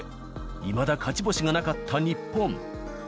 いまだ勝ち星がなかった日本。